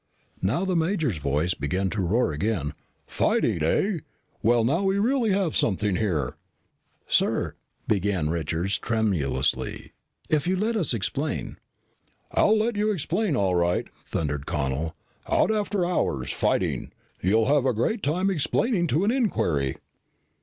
Now the major's voice began to roar again. "Fighting, eh? Well, now we really have something here." "Sir," began Richards tremulously, "if you'll let us explain " "I'll let you explain all right," thundered Connel. "Out after hours, fighting, you'll have a great time explaining to an inquiry."